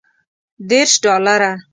دېرش ډالره.